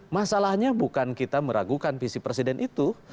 masalahnya bukan kita meragukan visi presiden itu